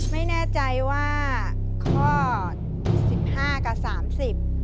ไม่แน่ใจว่าข้อ๑๕กับ๓๐